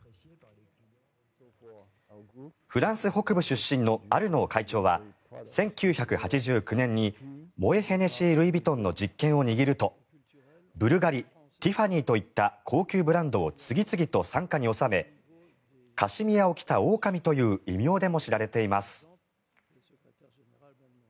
フランス北部出身のアルノー会長は１９８９年にモエ・ヘネシー・ルイ・ヴィトンの実権を握るとブルガリ、ティファニーといった高級ブランドを次々と傘下に収めカシミヤを着たオオカミという異名でも知られています。